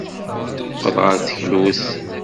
Teqqel ɣer teklut.